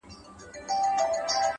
هغه په روغ زړه اگاه نه ده بيا يې وويله’